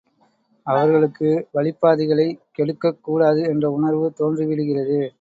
அவர்களுக்கு வழிப் பாதைகளைக் கெடுக்கக் கூடாது என்ற உணர்வு தோன்றிவிடுகிறது.